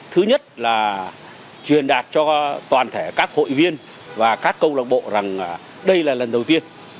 thứ nhất là truyền đạt cho toàn thể các hội viên và các câu lạc bộ rằng đây là lần đầu tiên